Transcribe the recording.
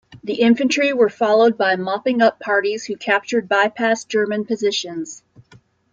The infantry were followed by mopping-up parties, who captured by-passed German positions.